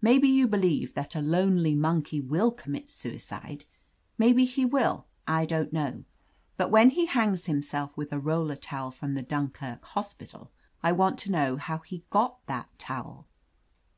Maybe you believe that a lonely monkey will commit suicide; maybe he will, I don't know. But when he hangs himself with a roller towel from the Dunkirk hospital, I want to know how he got that towel."